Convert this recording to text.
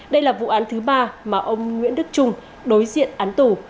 đây là vụ án thứ ba mà ông nguyễn đức trung đối diện án tù